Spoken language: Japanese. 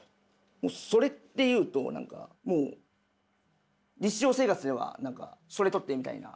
「それ」っていうと何かもう日常生活では何か「それ取って」みたいな。